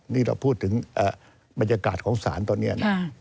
นี่เราพูดถึงบรรยากาศของศาลตอนนี้นะ